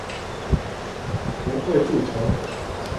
不會築城